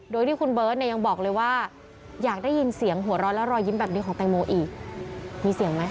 โดยที่คุณเบิร์ตเนี่ยยังบอกเลยว่าอยากได้ยินเสียงหัวร้อนและรอยยิ้มแบบนี้ของแตงโมอีกมีเสียงไหม